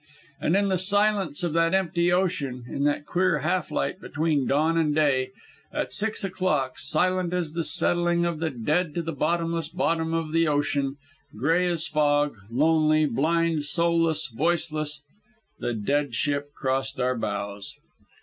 And in the silence of that empty ocean, in that queer half light between dawn and day, at six o'clock, silent as the settling of the dead to the bottomless bottom of the ocean, gray as fog, lonely, blind, soulless, voiceless, the Dead Ship crossed our bows.